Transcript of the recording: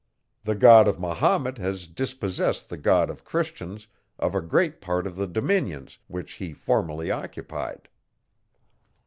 The God of Mahomet has dispossessed the God of Christians of a great part of the dominions, which he formerly occupied.